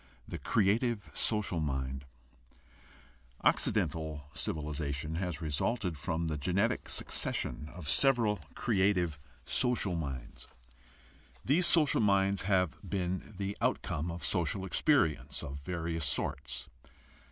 THE CREATIVE SOCIAL MIND Occidental civilization has resulted from the genetic succession of several creative social minds. These social minds have been the outcome of social experience of various sorts.